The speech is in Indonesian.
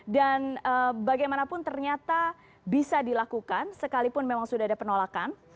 dan bagaimanapun ternyata bisa dilakukan sekalipun memang sudah ada penolakan